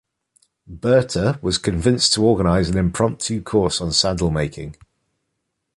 Berta was convinced to organize an impromptu course on sandalmaking.